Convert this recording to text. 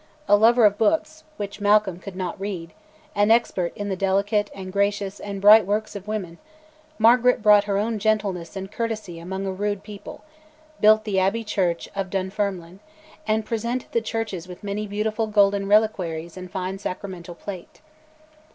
A lover of books, which Malcolm could not read, an expert in "the delicate, and gracious, and bright works of women," Margaret brought her own gentleness and courtesy among a rude people, built the abbey church of Dunfermline, and presented the churches with many beautiful golden reliquaries and fine sacramental plate.